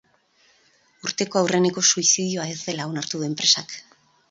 Urteko aurreneko suizidioa ez dela onartu du enpresak.